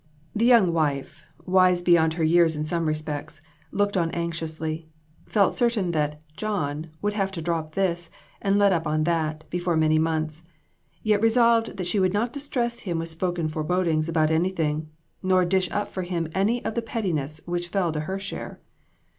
The young wife, INTRICACIES. 277 wise beyond her years in some respects, looked on anxiously; felt certain that "John" would have to drop this, and let up on that, before many months ; yet resolved that she would not distress him with spoken forebodings about anything, nor dish up for him any of the pettinesses which fell to her share.